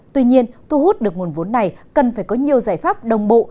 tuy nhiên thu hút được nguồn vốn này cần phải có nhiều giải pháp đồng bộ